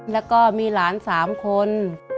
แล้วก็มีหลาน๓คน